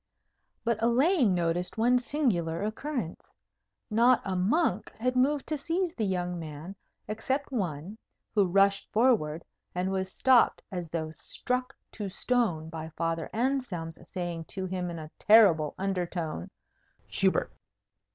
But Elaine noticed one singular occurrence. Not a monk had moved to seize the young man, except one, who rushed forward, and was stopped, as though struck to stone, by Father Anselm's saying to him in a terrible undertone, "Hubert!"